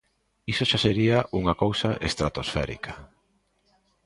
Iso xa sería unha cousa estratosférica.